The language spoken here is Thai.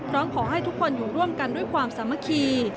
ร้องขอให้ทุกคนอยู่ร่วมกันด้วยความสามัคคี